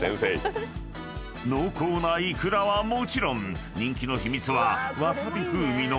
［濃厚なイクラはもちろん人気の秘密は］